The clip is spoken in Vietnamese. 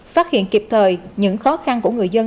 phát hiện kịp thời những khó khăn của người dân